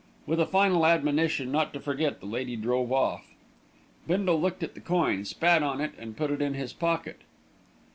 With a final admonition not to forget, the lady drove off. Bindle looked at the coin, spat on it, and put it in his pocket.